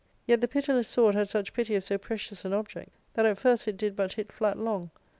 Yet the pitiless sword had such pity of so precious an object that at first it did but hit flatlong.